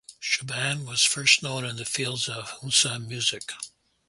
Shaban was first known in the field of Hausa Musics.